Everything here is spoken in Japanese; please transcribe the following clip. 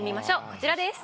こちらです。